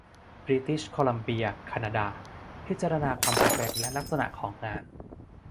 บริติชโคลัมเบีย แคนาดา พิจารณาความจำเป็นและลักษณะของงาน